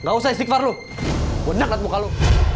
enggak usah istighfar lu gue nangkut muka lu